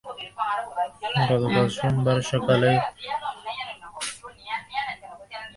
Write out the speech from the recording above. গতকাল সোমবার সকালে কার্যালয়ে কাজ করতে এসে কর্মকর্তা-কর্মচারীরা চুরির বিষয়টি চিহ্নিত করেন।